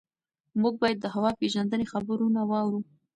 موږ باید د هوا پېژندنې خبرونه واورو.